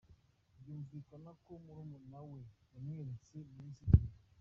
Byumvikana ko murumuna we yamweretse munsi y’ikirenge.